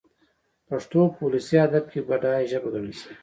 پښتو په اولسي ادب کښي بډايه ژبه ګڼل سوې.